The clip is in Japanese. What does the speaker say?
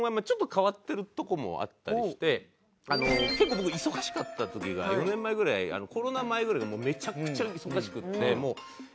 結構僕忙しかった時が４年前ぐらいコロナ前ぐらいがめちゃくちゃ忙しくて。